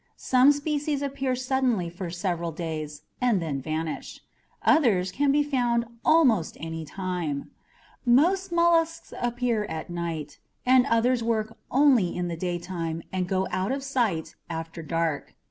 Some species appear suddenly for several days and then vanish; others can be found almost anytime. Most mollusks appear at night, but others work only in the daytime and go out of sight after dark.